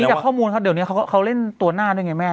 จากข้อมูลครับเดี๋ยวนี้เขาเล่นตัวหน้าด้วยไงแม่